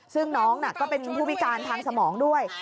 ซึ่งน้องก็เป็นผู้พิการทางสมองด้วย